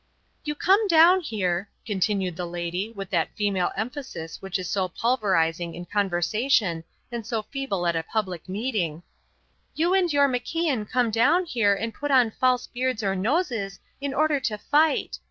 "You come down here," continued the lady, with that female emphasis which is so pulverizing in conversation and so feeble at a public meeting, "you and your MacIan come down here and put on false beards or noses in order to fight.